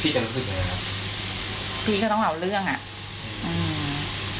จะรู้สึกยังไงครับพี่ก็ต้องเอาเรื่องอ่ะอืม